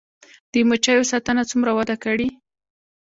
د مچیو ساتنه څومره وده کړې؟